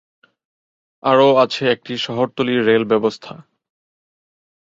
আরও আছে একটি শহরতলী রেল ব্যবস্থা।